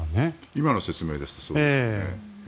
今の説明ですとそうですよね。